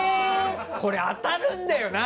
これ当たるんだよな！